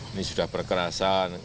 ini sudah berkerasan